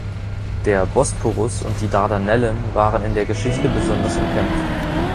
Der "Bosporus" und die "Dardanellen" waren in der Geschichte besonders umkämpft.